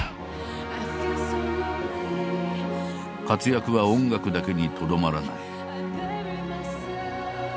活躍は音楽だけにとどまらない。